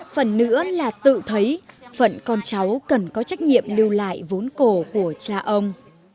phần nữa là tự thấy phận con cháu cần có trách nhiệm lưu lại vốn cổ của cha ông